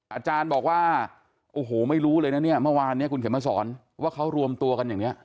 อาจารย์บอกว่าโอ้โหไม่รู้เลยนะเนี่ยเมื่อวานเนี่ยคุณเข็มมาสอนว่าเขารวมตัวกันอย่างนี้